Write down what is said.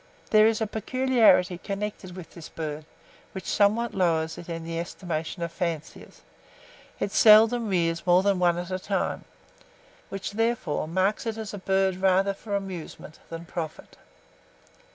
There is a peculiarity connected with this bird, which somewhat lowers it in the estimation of fanciers: it seldom rears more than one at a time, which, therefore, marks it as a bird rather for amusement than profit.